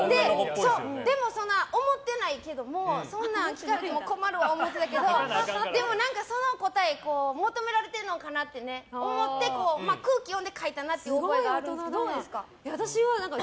でも思ってないけどもそんなん聞かれても困るわ思ってたけどでも、そんな答え求められるのかなと思って、空気読んで書いたなということがあるんですけど覚えがあるんですけどどうですか？